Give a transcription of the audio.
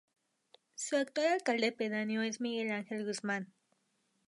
Su actual alcalde pedáneo es Miguel Ángel Guzmán.